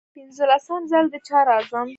پنځلسم ځل دی چې راځم.